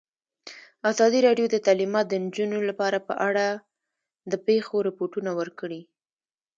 ازادي راډیو د تعلیمات د نجونو لپاره په اړه د پېښو رپوټونه ورکړي.